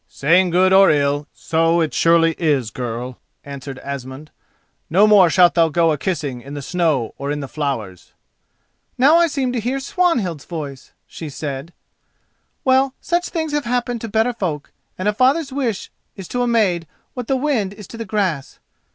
"Saying good or ill, so it surely is, girl," answered Asmund. "No more shalt thou go a kissing, in the snow or in the flowers." "Now I seem to hear Swanhild's voice," she said. "Well, such things have happened to better folk, and a father's wish is to a maid what the wind is to the grass.